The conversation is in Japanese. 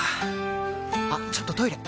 あっちょっとトイレ！